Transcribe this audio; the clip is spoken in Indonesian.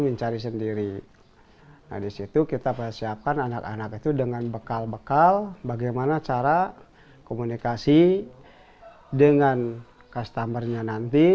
nah di situ kita persiapkan anak anak itu dengan bekal bekal bagaimana cara komunikasi dengan customer nya nanti